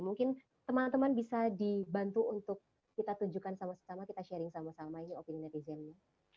mungkin teman teman bisa dibantu untuk kita tunjukkan sama sama kita sharing sama sama ini opini netizennya